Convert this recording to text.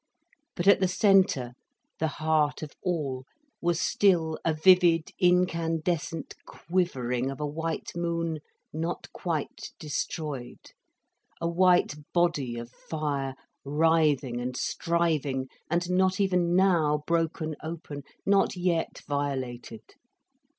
But at the centre, the heart of all, was still a vivid, incandescent quivering of a white moon not quite destroyed, a white body of fire writhing and striving and not even now broken open, not yet violated.